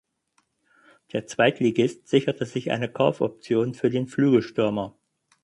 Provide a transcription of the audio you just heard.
Der Zweitligist sicherte sich eine Kaufoption für den Flügelstürmer.